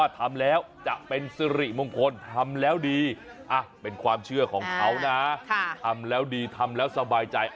ทำแล้วดีเป็นความเชื่อของเขานะทำแล้วดีทำแล้วสบายใจ